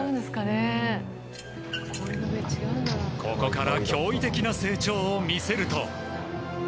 ここから驚異的な成長を見せると。